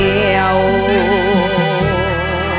ด้วยใจสุดของเธอ